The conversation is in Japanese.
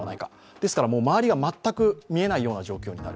ですから周りが全く見えないような状況になる。